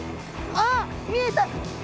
あっ見えた。